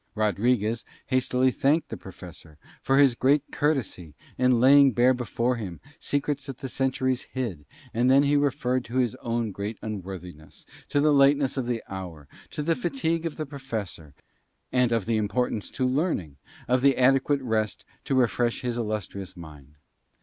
Rodriguez hastily thanked the Professor for his great courtesy in laying bare before him secrets that the centuries hid, and then he referred to his own great unworthiness, to the lateness of the hour, to the fatigue of the Professor, and to the importance to Learning of adequate rest to refresh his illustrious mind.